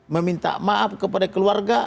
meminta maaf kepada keluarga